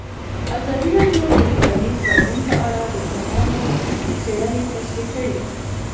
ازادي راډیو د ټولنیز بدلون په اړه د پوهانو څېړنې تشریح کړې.